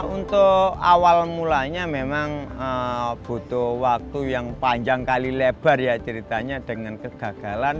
untuk awal mulanya memang butuh waktu yang panjang kali lebar ya ceritanya dengan kegagalan